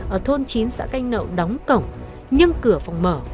ở thôn chín xã canh nậu đóng cổng nhưng cửa phòng mở